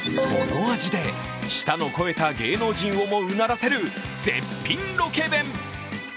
その味で、舌の肥えた芸能人をもうならせる絶品ロケ弁。